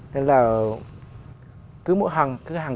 nên là cứ mỗi hàng tuần